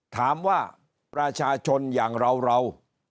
ถามว่าประชาชนอย่างเราเรา